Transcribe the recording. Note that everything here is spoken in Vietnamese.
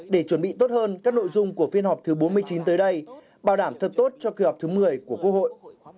để chuẩn bị tốt hơn các nội dung của phiên họp thứ bốn mươi chín tới đây bảo đảm thật tốt cho kỳ họp thứ một mươi của quốc hội